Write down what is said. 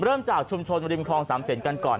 จากชุมชนริมคลองสามเศษกันก่อน